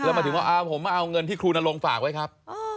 มาถึงว่าผมมาเอาเงินที่ครูนรงค์ฝากไว้ครับ